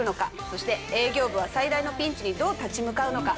そして営業部は最大のピンチにどう立ち向かうのか？